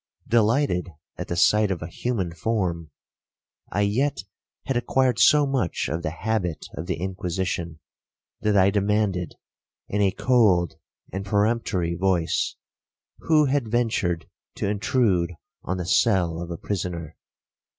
Delighted at the sight of a human form, I yet had acquired so much of the habit of the Inquisition, that I demanded, in a cold and peremptory voice, who had ventured to intrude on the cell of a prisoner?